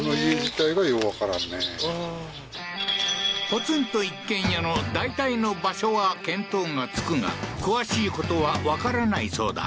ポツンと一軒家の大体の場所は見当が付くが詳しいことはわからないそうだ